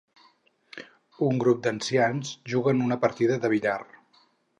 Un grup d'ancians juguen una partida de billar.